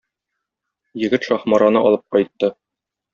Егет Шаһмараны алып кайтты.